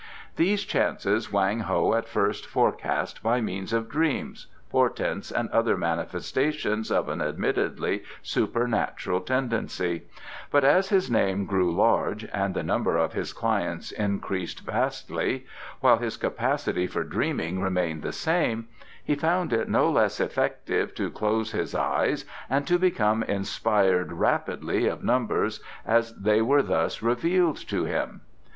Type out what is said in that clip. These chances Wang Ho at first forecast by means of dreams, portents and other manifestations of an admittedly supernatural tendency, but as his name grew large and the number of his clients increased vastly, while his capacity for dreaming remained the same, he found it no less effective to close his eyes and to become inspired rapidly of numbers as they were thus revealed to him.